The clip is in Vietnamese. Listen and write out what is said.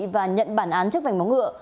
và nhận bản án trước vành móng ngựa